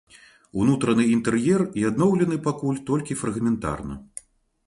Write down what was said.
Унутраны інтэр'ер і адноўлены пакуль толькі фрагментарна.